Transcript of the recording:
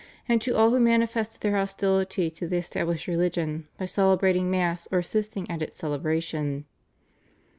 and to all who manifested their hostility to the established religion by celebrating Mass or assisting at its celebration.